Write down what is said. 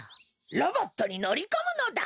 ロボットにのりこむのだ。